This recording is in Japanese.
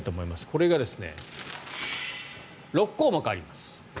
これが６項目あります。